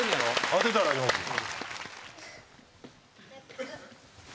当てたらあげますよ。